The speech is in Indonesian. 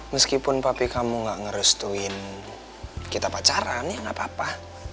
meskipun papi kamu gak ngerestuin kita pacaran ya nggak apa apa